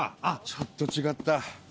ちょっと違った。